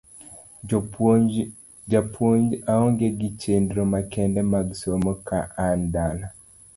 Japuonj aonge gi chenro makende mag somo ka an dala.